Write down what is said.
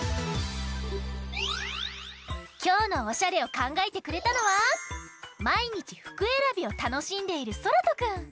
きょうのおしゃれをかんがえてくれたのはまいにちふくえらびをたのしんでいるそらとくん。